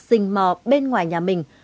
dình mò bên ngoài nhà mình